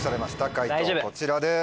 解答こちらです。